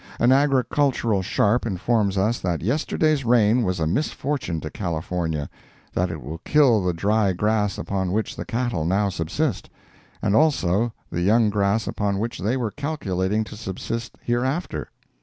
An agricultural sharp informs us that yesterday's rain was a misfortune to California—that it will kill the dry grass upon which the cattle now subsist, and also the young grass upon which they were calculating to subsist hereafter.